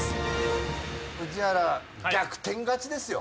宇治原逆転勝ちですよ。